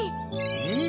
うん！